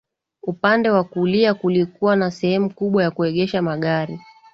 Upande wa kulia kulikuwa na sehemu kubwa ya kuegesha magari